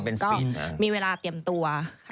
มันก็มีเวลาเตรียมตัว